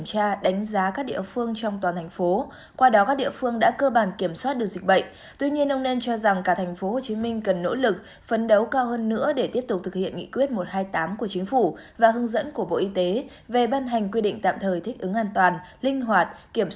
các bạn hãy đăng ký kênh để ủng hộ kênh của chúng mình nhé